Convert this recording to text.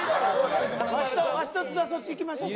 わしと津田そっち行きましょうか？